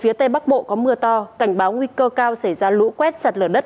phía tây bắc bộ có mưa to cảnh báo nguy cơ cao xảy ra lũ quét sạt lở đất